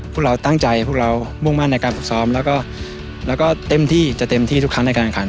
พวกเราตั้งใจพวกเรามุ่งมั่นในการฝึกซ้อมแล้วก็เต็มที่จะเต็มที่ทุกครั้งในการแข่งขัน